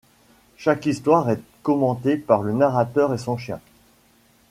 Chaque histoire est commentée par le narrateur et son chien.